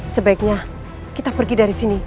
sebaiknya kita pergi dari sini